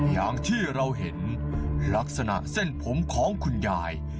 อย่างที่เราเห็นลักษณะเส้นผมของคุณยาย